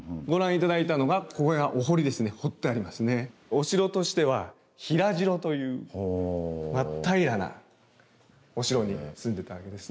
お城としては平城という真っ平らなお城に住んでたわけですね。